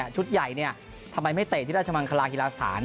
ชุดใหญ่ทำไมไม่เตะที่ราชมังคลาฮิลาสถาน